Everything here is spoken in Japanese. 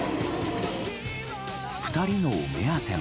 ２人のお目当ても。